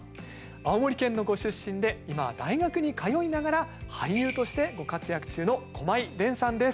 青森県のご出身で今は大学に通いながら俳優としてご活躍中の駒井蓮さんです。